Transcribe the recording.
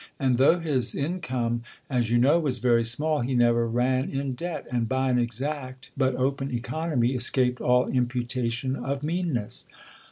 And though his in come, as you know, was very small, he never ran in debt ; and by an exact but open economy, escaped all imputation of meanness.